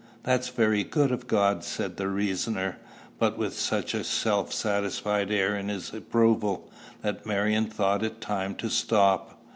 "That's very good of God," said the reasoner, but with such a self satisfied air in his approval, that Marion thought it time to stop.